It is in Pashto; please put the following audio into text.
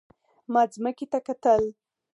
ما ځمکې ته کتل.